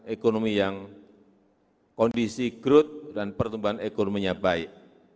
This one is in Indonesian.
ekonomi yang kondisi growth dan pertumbuhan ekonominya baik